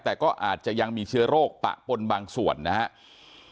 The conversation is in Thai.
แต่ก็อาจจะยังมีเชื้อโรคปะปนบางส่วนนะครับ